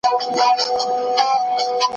ستوري د هستوي امتزاج له کبله ناڅاپه انفجار کوي.